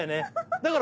だから